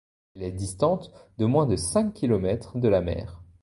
Elle est distante de moins de cinq kilomètres de la mer.